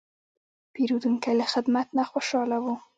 پیرودونکی له خدمت نه خوشاله و.